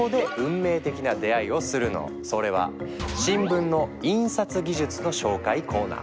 そこでそれは新聞の印刷技術の紹介コーナー。